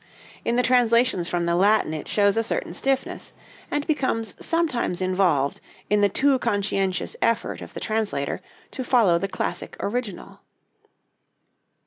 In the translations from the Latin it shows a certain stiffness, and becomes sometimes involved, in the too conscientious effort of the translator to follow the classic original.